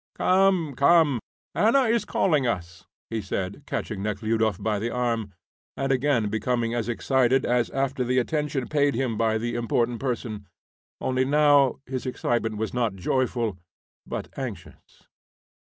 Come, come; Anna is calling us," he said, catching Nekhludoff by the arm, and again becoming as excited as after the attention paid him by the important person, only now his excitement was not joyful, but anxious.